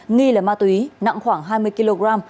nghi là ma túy nặng khoảng hai mươi kg